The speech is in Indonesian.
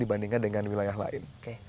dibandingkan dengan wilayah lain